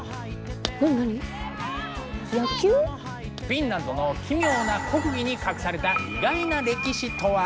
フィンランドの奇妙な国技に隠された意外な歴史とは？